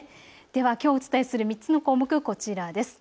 では、きょうお伝えする３つの項目こちらです。